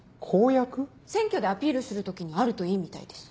選挙でアピールする時にあるといいみたいです。